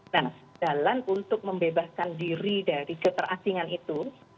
nah jalan untuk membebaskan diri dari keterasingan itu